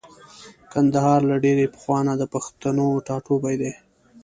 کندهار له ډېرې پخوانه د پښتنو ټاټوبی دی.